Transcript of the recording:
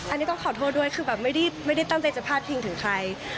อันนี้ต้องขอโทษด้วยคือแบบไม่ได้ตั้งใจจะพาดพิงถึงใคร